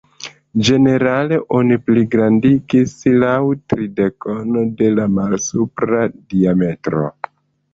Ĝenerale oni pligrandigis laŭ tridek-ono de la malsupra diametro.